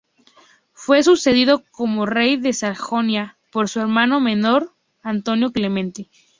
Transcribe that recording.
Fue sucedido como Rey de Sajonia por su hermano menor Antonio Clemente.